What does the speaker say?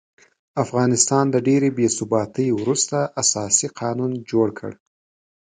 افغانستان د ډېرې بې ثباتۍ وروسته اساسي قانون جوړ کړ.